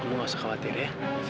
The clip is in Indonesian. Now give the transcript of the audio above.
gue gak usah khawatir ya